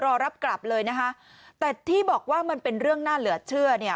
รอรับกลับเลยนะคะแต่ที่บอกว่ามันเป็นเรื่องน่าเหลือเชื่อเนี่ย